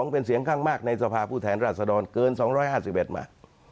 เป็นเสียงข้างมากในสภาพผู้แทนราชดรเกิน๒๕๑มา